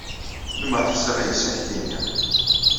Limer ḥṣiƔ yes, ad ak-d-iniƔ.